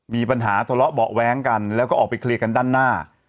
มีปัญหาทะเลาะเบาะแว้งกันแล้วก็ออกไปเคลียร์กันด้านหน้า